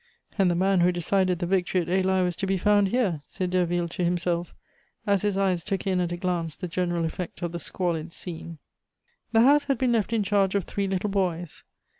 "And the man who decided the victory at Eylau is to be found here!" said Derville to himself, as his eyes took in at a glance the general effect of the squalid scene. The house had been left in charge of three little boys.